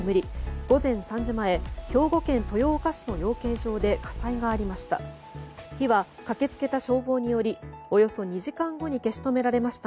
午前３時前兵庫県豊岡市の養鶏場で火災がありました。